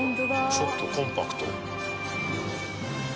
「ちょっとコンパクト」